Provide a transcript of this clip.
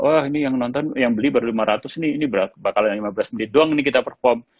wah ini yang beli baru lima ratus ini bakalan lima belas mili doang nih kita perform